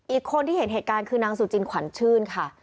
อีกคนที่เห็นเหตุการณ์คือนางสุจินขวัญชื่นค่ะ